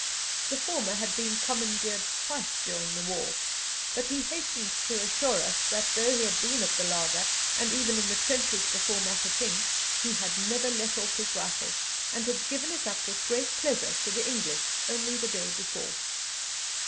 The former had been commandeered twice during the war, but he hastened to assure us that, though he had been at the laager, and even in the trenches before Mafeking, he had never let off his rifle, and had given it up with great pleasure to the English only the day before.